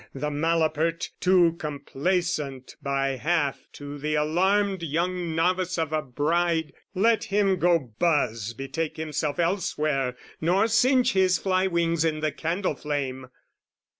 The malapert, too complaisant by half To the alarmed young novice of a bride! Let him go buzz, betake himself elsewhere Nor singe his fly wings in the candle flame!